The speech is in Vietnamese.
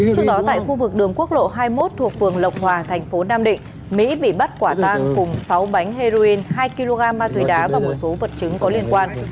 trước đó tại khu vực đường quốc lộ hai mươi một thuộc phường lộc hòa thành phố nam định mỹ bị bắt quả tang cùng sáu bánh heroin hai kg ma túy đá và một số vật chứng có liên quan